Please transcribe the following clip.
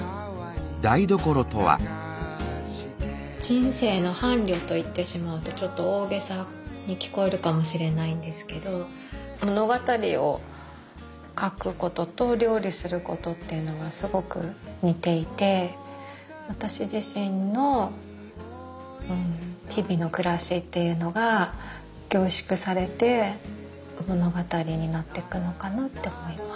人生の伴侶と言ってしまうとちょっと大げさに聞こえるかもしれないんですけど物語を書くことと料理することっていうのはすごく似ていて私自身の日々の暮らしっていうのが凝縮されて物語になっていくのかなと思います。